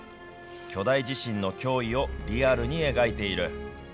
巨大地震の脅威をリアルに描いている。